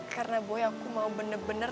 karena boy aku mau bener bener